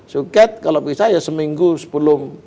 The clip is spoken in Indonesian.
suket kalau bisa ya seminggu sebelum